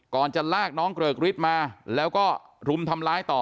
ก่อนจะลากน้องเกลอกริ๊ดมาแล้วก็รุมทำร้ายต่อ